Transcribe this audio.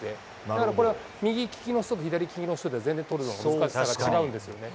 だからこれ、右利きの人と左利きの人で、全然難しさが違うんですよね。